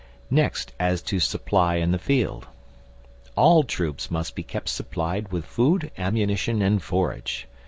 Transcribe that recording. Next as to Supply in the Field: All troops must be kept supplied with food, ammunition, and forage.